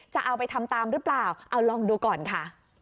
จะเอาไปทำตามหรือเปล่าเอาลองดูก่อนค่ะ